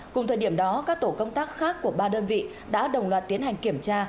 cùng thời điểm đó các tổ công tác khác của ba đơn vị đã đồng loạt tiến hành kiểm tra